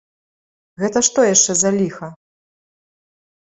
Гэта што яшчэ за ліха?